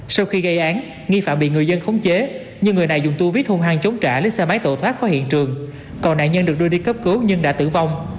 sau khi gây án nghi phạm bị người dân khống chế nhưng người này dùng tu viết hung hăng chống trả lấy xe máy tổ thoát khỏi hiện trường còn nạn nhân được đưa đi cấp cứu nhưng đã tử vong